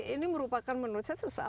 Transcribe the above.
ini merupakan menurut saya salah satu